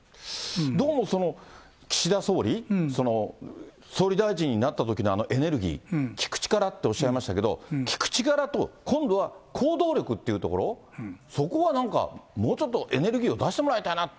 どうも、岸田総理、総理大臣になったときのあのエネルギー、聞く力っておっしゃいましたけど、聞く力と今度は行動力っていうところ、そこはなんか、もうちょっとエネルギーを出してもらいたいな。